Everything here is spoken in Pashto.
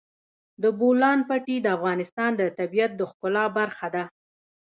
د بولان پټي د افغانستان د طبیعت د ښکلا برخه ده.